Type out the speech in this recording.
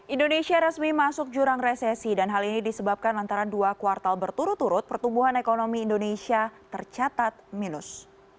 indonesia resmi masuk jurang resesi dan hal ini disebabkan antara dua kuartal berturut turut pertumbuhan ekonomi indonesia tercatat minus